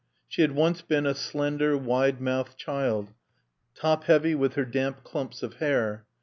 She had once been a slender, wide mouthed child, top heavy with her damp clumps of hair.